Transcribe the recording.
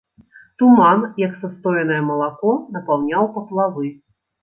Туман, як састоенае малако, напаўняў паплавы.